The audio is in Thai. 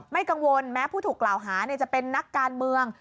ไม่กังวลแม้ผู้ถูกกล่าวหาจะเป็นนักการเมือง